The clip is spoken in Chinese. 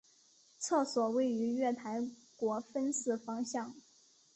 厕所位于月台国分寺方向。